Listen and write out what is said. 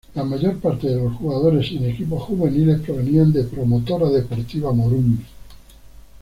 La mayor parte de los jugadores en equipos juveniles provenían de Promotora Deportiva Morumbi.